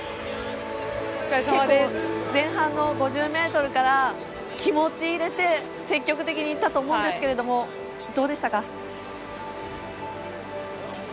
前半の５０ｍから気持ちを入れて積極的にいったと思うんですけれどもどうでしたか？